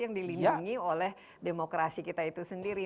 yang dilindungi oleh demokrasi kita itu sendiri